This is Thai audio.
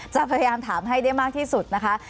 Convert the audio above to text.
จะพยายามถามให้ได้มากที่สุดนะคะ